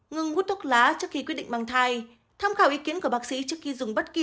ngừng hút thuốc lá trước khi quyết định mang thai tham khảo ý kiến của bác sĩ trước khi dùng bất kỳ